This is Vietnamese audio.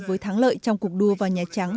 với thắng lợi trong cuộc đua vào nhà trắng